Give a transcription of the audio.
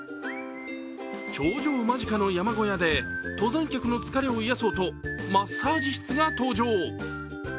頂上間近の山小屋で、登山客の疲れを癒やそうとマッサージ室が登場。